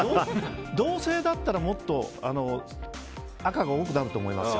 同性だったらもっと赤が多くなると思いますよ。